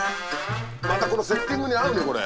またこのセッティングに合うねこれ。